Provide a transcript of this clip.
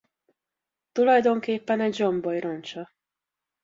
Tulajdonképpen egy zsomboly roncsa.